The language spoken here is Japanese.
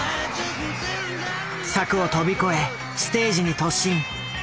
柵を飛び越えステージに突進。